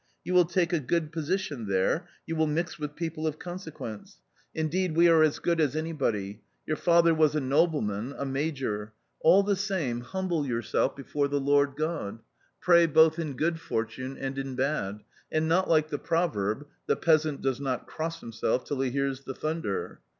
You will take a good position there, you will mix with people of consequence — indeed, we A COMMON STORY 13 are as good as anybody; vo ur father was a nob leman, a major — all the same, humble yourself before the Lord God ; pray both in good fortune and in bad ; and not like the proverb —' the peasant does not cross himself till he hears the thunder.'